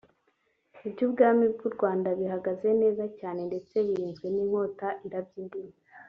iby’ubwami bw’u Rwanda bihagaze neza cyane ndetse birinzwe n’inkota irabya indimi